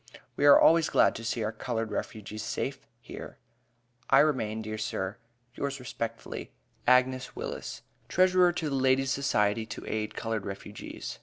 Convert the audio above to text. We are always glad to see our colored refugees safe here. I remain, dear sir, yours respectfully, AGNES WILLIS, Treasurer to the Ladies' Society to aid colored refugees.